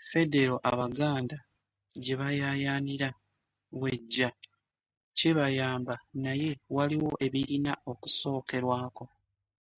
Ffedero abaganda gye bayayaanira w'ejja kibayamba naye waliwo ebirina okusookerwako.